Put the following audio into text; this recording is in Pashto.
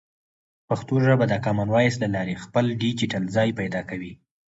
پښتو ژبه د کامن وایس له لارې خپل ډیجیټل ځای پیدا کوي.